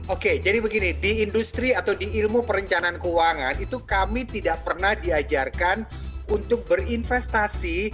oke jadi begini di industri atau di ilmu perencanaan keuangan itu kami tidak pernah diajarkan untuk berinvestasi